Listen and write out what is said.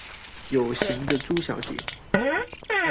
有型的豬小姐